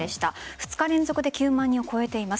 ２日連続で９万人を超えています。